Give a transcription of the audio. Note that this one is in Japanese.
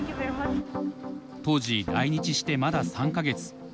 当時来日してまだ３か月。